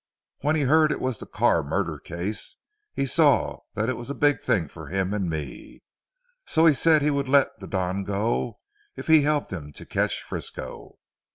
When he heard it was the Carr murder case, he saw it was a big thing for him and me. So he said he would let the Don go, if he helped him to catch Frisco.